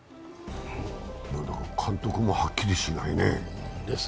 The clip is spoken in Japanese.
監督もはっきりしないね。